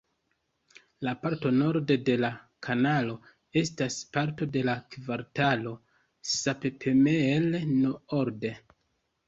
La parto norde de la kanalo estas parto de la kvartalo Sappemeer-Noord.